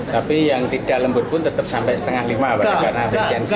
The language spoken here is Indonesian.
tapi yang tidak lembur pun tetap sampai setengah lima berarti karena efisiensi